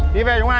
đi về trong này